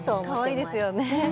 かわいいですよね